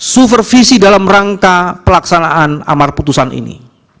supervisi dalam rangka pelaksanaan amar putusan ini